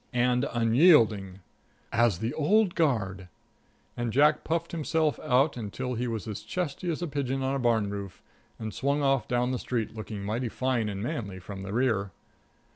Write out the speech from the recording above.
"And unyielding." "As the old guard." And Jack puffed himself out till he was as chesty as a pigeon on a barn roof, and swung off down the street looking mighty fine and manly from the rear.